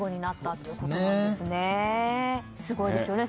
すごいですね。